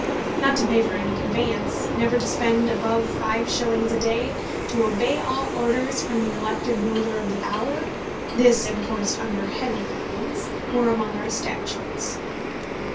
Not to pay for any conveyance, never to spend above five shillings a day, to obey all orders from the elected ruler of the hour (this enforced under heavy fines), were among our statutes.